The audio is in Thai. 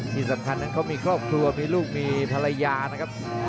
ที่สำคัญนั้นเขามีครอบครัวมีลูกมีภรรยานะครับ